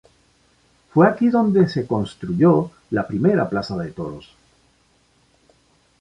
Fue aquí donde se construyó la primera plaza de toros.